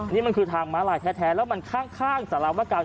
นี่มันคือทางม้าลายแท้แล้วมันข้างสารวการ